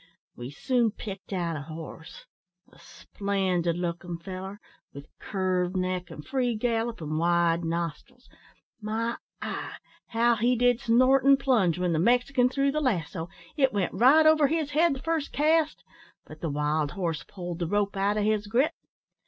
We soon picked out a horse a splendid lookin' feller, with curved neck, and free gallop, and wide nostrils. My eye! how he did snort and plunge, when the Mexican threw the lasso, it went right over his head the first cast, but the wild horse pulled the rope out o' his grip.